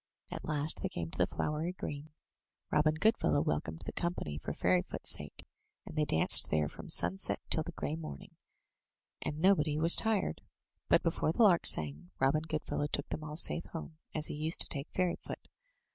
At last they came to the flowery green. Robin Goodfellow welcomed the company for Fairyfoot's sake, and they danced there from sunset till the grey morning, and nobody was tired. But before the lark sang, Robin Goodfellow took them all safe home, as he used to take Fairyfoot.